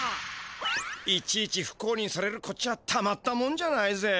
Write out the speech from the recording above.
いちいちふこうにされるこっちはたまったもんじゃないぜ。